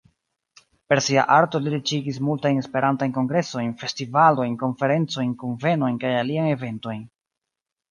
Per sia arto li riĉigis multajn Esperantajn kongresojn, festivalojn, konferencojn, kunvenojn kaj aliajn eventojn.